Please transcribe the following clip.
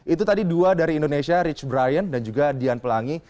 itu tadi dua dari indonesia rich brian dan juga dian pelangi